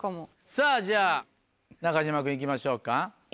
さぁじゃあ中島君いきましょうか。